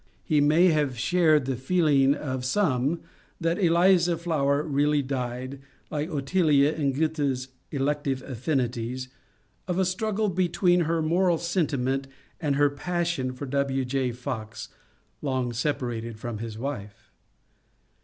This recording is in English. He may have shared the feeling of some that Eliza Flower really died, like Ottilia in Goethe's ^^ Elective Affinities," of a struggle between her moral sentiment and her passion for W. J. Fox (long separated from his wife).